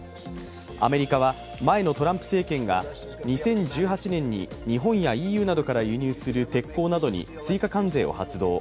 アメリカは前のトランプ政権が２０１８年に日本やＥＵなどから輸入する鉄鋼などに追加関税を発動。